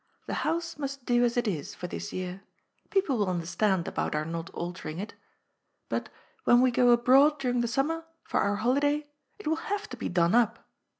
The house must do as it is for this year — ^people will understand about our not altering it — but, when we go abroad during the summer, for our holiday, it will have to be done up.